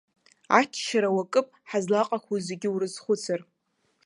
Аччара уакып, ҳазлаҟақәоу зегьы урызхәыцыр.